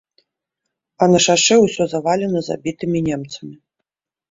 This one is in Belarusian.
А на шашы ўсё завалена забітымі немцамі.